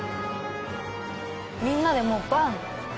みんなでもうバン！って。